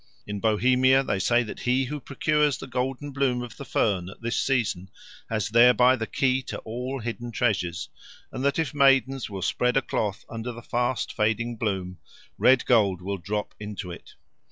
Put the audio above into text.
In Bohemia they say that he who procures the golden bloom of the fern at this season has thereby the key to all hidden treasures; and that if maidens will spread a cloth under the fast fading bloom, red gold will drop into it.